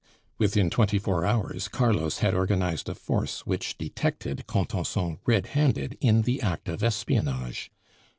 Within twenty four hours Carlos had organized a force which detected Contenson red handed in the act of espionage.